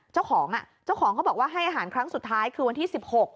เจ้าของอ่ะเจ้าของเจ้าของเขาบอกว่าให้อาหารครั้งสุดท้ายคือวันที่๑๖